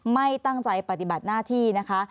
ไม่ตั้งใจปฏิบัติหน้าที่นะคะ